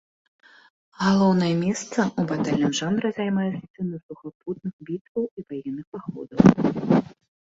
Галоўнае месца ў батальным жанры займаюць сцэны сухапутных, бітваў і ваенных паходаў.